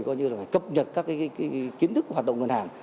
gọi như là phải cập nhật các cái kiến thức hoạt động ngân hàng